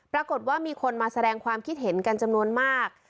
ปรากฏว่ามีคนมาแสดงความคิดเห็นกันจำนวนมาก